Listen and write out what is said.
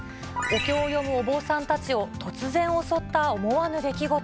お経を読むお坊さんたちを突然襲った思わぬ出来事。